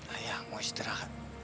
ayah mau istirahat